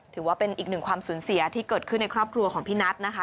ถือว่าเป็นอีกหนึ่งความสูญเสียที่เกิดขึ้นในครอบครัวของพี่นัทนะคะ